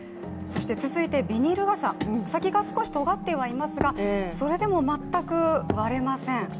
続いてビニール傘、先が少しとがってはいますが、それでも全く割れません。